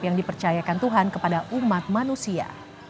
yang dipercayakan tuhan kepada umat manusia